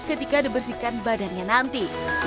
ketika dibersihkan badannya nanti